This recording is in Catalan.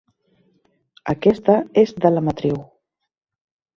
Aquesta és de la matriu.